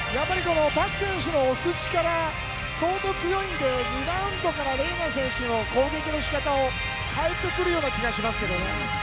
パク選手の押す力相当強いので２ラウンドからＲＥＮＡ選手も攻撃の仕方を変えてくるような気がしますね。